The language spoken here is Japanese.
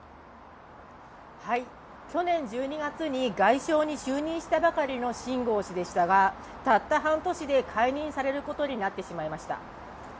去年１２月に外相に就任したばかりの秦剛氏でしたがたった半年で解任されることになってしまいました。